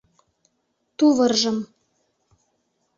Тувыржым